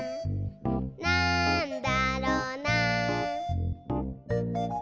「なんだろな？」